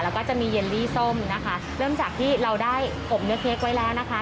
แล้วก็จะมีเยลลี่ส้มนะคะเริ่มจากที่เราได้อบเนื้อเค้กไว้แล้วนะคะ